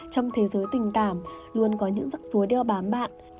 trong thế giới tình tảm luôn có những rắc rối đeo bám bạn